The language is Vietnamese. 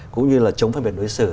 cũng như là chống phân biệt đối xử